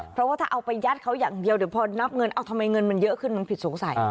เพราะว่าถ้าเอาไปยัดเขาอย่างเดียวเดี๋ยวพอนับเงินเอาทำไมเงินมันเยอะขึ้นมันผิดสงสัย